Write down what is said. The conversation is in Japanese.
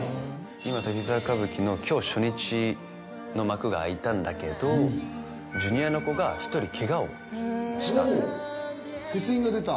今「滝沢歌舞伎」の今日初日の幕が開いたんだけどＪｒ．の子が１人ケガをしたと欠員が出た？